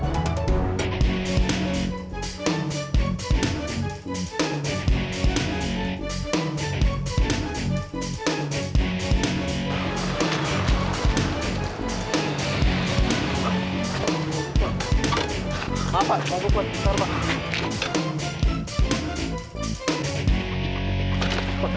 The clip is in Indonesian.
maaf pak maaf pak maaf pak